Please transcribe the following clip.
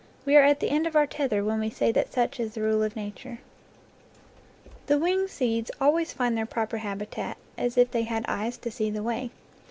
We are at the end of our tether when we say that such is the rule of nature. The winged seeds always find their proper habi tat, as if they had eyes to see the way.